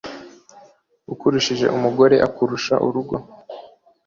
Ukurushije umugore akurusha urugo.